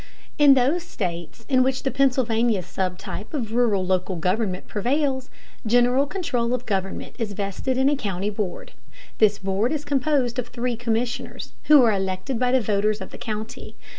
In those states in which the Pennsylvania sub type of rural local government prevails, general control of government is vested in a county board. This board is composed of three commissioners, who are elected by the voters of the county.